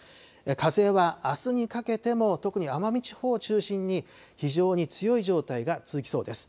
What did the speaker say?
風はあすにかけても特に奄美地方を中心に非常に強い状態が続きそうです。